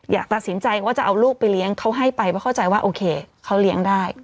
อยากตัดสินใจว่าจะเอาลูกไปเลี้ยงเขาให้ไปเพราะเข้าใจว่าโอเคเขาเลี้ยงได้